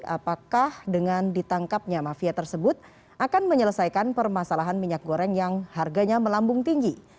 apakah dengan ditangkapnya mafia tersebut akan menyelesaikan permasalahan minyak goreng yang harganya melambung tinggi